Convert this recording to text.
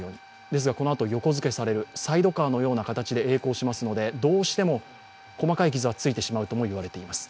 ですがこのあと横付けされるサイドカーのような形でえい航しますので、どうしても細かい傷はついてしまうともいわれています。